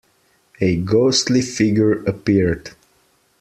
A ghostly figure appeared.